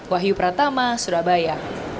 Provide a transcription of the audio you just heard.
wahyu pratama surabaya